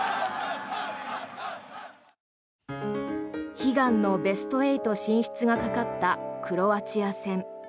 悲願のベスト８進出がかかったクロアチア戦。